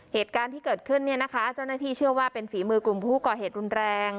เหตุการณ์ที่เกิดขึ้นเนี่ยนะคะเจ้าหน้าที่เชื่อว่าเป็นฝีมือกลุ่มผู้ก่อเหตุรุนแรง